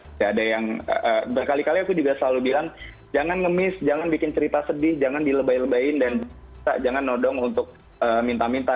tidak ada yang berkali kali aku juga selalu bilang jangan ngemis jangan bikin cerita sedih jangan dilebai lebahin dan jangan nodong untuk minta minta